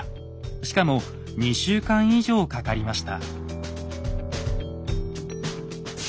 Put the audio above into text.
しかも２週間以上かかりました。